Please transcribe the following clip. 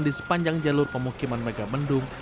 di sepanjang jalur pemukiman megamendung